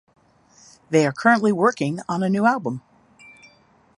They are currently working on a new album.